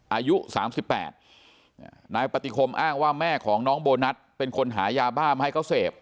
อายุ๓๘นายปฏิคมอ้างว่าแม่ของน้องโบนัสเป็นคนหายาบ้ามาให้เขาเสพ